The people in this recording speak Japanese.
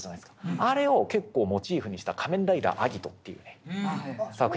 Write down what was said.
あれを結構モチーフにした「仮面ライダーアギト」という作品。